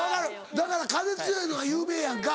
だから風強いのが有名やんか。